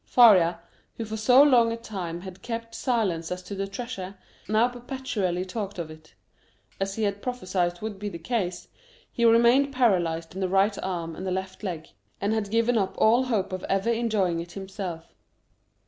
Faria, who for so long a time had kept silence as to the treasure, now perpetually talked of it. As he had prophesied would be the case, he remained paralyzed in the right arm and the left leg, and had given up all hope of ever enjoying it himself.